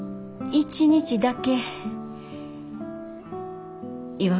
一日だけ？